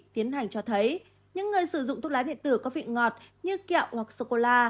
tiến hành cho thấy những người sử dụng thuốc lá điện tử có vị ngọt như kẹo hoặc sô cô la